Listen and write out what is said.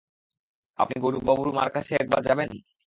আপনি গৌরবাবুর মার কাছে একবার যাবেন না?